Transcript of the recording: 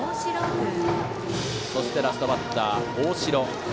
そしてラストバッター、大城。